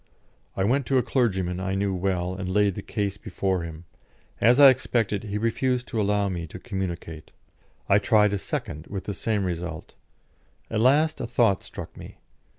I went to a clergyman I knew well, and laid the case before him; as I expected, he refused to allow me to communicate. I tried a second, with the same result. At last a thought struck me.